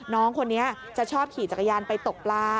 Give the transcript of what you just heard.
น้องคนนี้จะชอบขี่จักรยานไปตกปลา